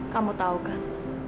kamu tau kan